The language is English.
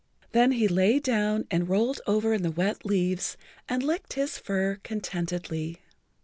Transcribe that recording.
Then he lay down and rolled over in the wet leaves and licked his fur contentedly.